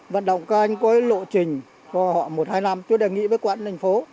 vận động các anh có lộ trình một hai năm tôi đề nghị với quận thành phố